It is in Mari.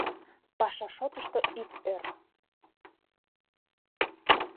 Паша шотышто ит ӧр.